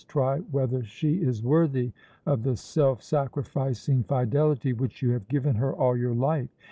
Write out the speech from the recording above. Try whether she is worthy of the self sacrificing fidelity which you have given her all your life.